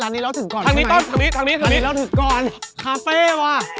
ร้านนี้เราถึงก่อนคาเฟ่ว่ะ